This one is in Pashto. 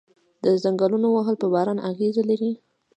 د ځنګلونو وهل په باران اغیز لري؟